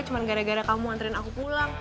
cuma gara gara kamu antrian aku pulang